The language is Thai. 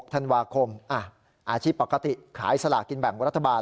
ธันวาคมอาชีพปกติขายสลากินแบ่งรัฐบาล